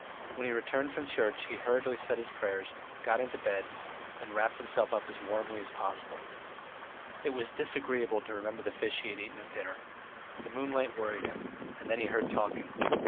When he returned from church, he hurriedly said his prayers, got into bed, and wrapped himself up as warm as possible. It was disagreeable to remember the fish he had eaten at dinner. The moonlight worried him, and then he heard talking.